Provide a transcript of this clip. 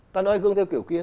ta nói gương theo kiểu kia